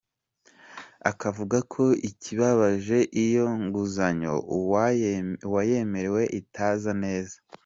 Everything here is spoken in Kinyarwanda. Akavuga ko ikibabaje iyo nguzanyo uwayemerewe itaza neza.